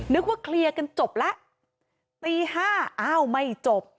นึกว่าเคลียร์กันจบแล้วตีห้าอ้าวไม่จบ